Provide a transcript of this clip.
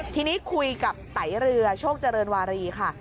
ทีนี้คุยกับไตเรือโชคเจริญวารีค่ะ